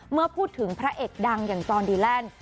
เมื่อพูดถึงพระเอกดังอย่างจอนดีแลนด์